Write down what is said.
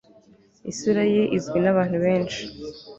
isura ye izwi n'abantu benshi